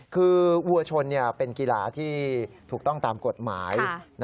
คือวัวชนเป็นกีฬาที่ถูกต้องตามกฎหมาย